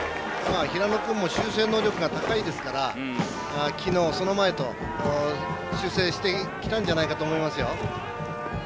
平野君も修正能力が高いですからきのう、その前と修正してきたんじゃないかと思いますよ。